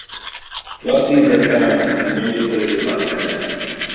Webzines are found in many places on the Internet.